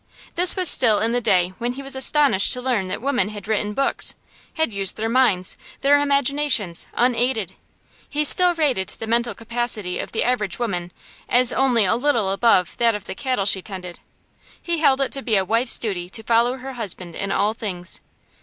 This was still in the day when he was astonished to learn that women had written books had used their minds, their imaginations, unaided. He still rated the mental capacity of the average woman as only a little above that of the cattle she tended. He held it to be a wife's duty to follow her husband in all things.